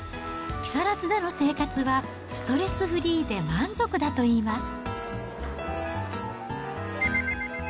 木更津での生活はストレスフリーで満足だといいます。